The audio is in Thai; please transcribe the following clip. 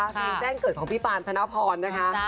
แจ้งเกิดของพี่ปานธนพรนะคะ